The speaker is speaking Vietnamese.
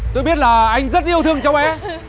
tôi biết là anh rất yêu thương cho bé